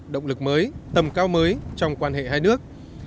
động lực mới tầm cao mới trong quan hệ hai nước